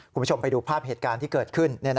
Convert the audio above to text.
คุณผู้ชมไปดูภาพเหตุการณ์ที่เกิดขึ้น